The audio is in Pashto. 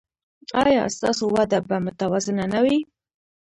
ایا ستاسو وده به متوازنه نه وي؟